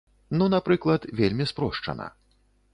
Ну напрыклад, вельмі спрошчана.